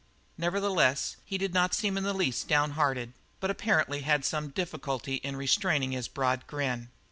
Nevertheless, he did not seem in the least downhearted, but apparently had some difficulty in restraining his broad grin.